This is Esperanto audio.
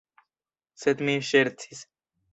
Sed mi ŝercis.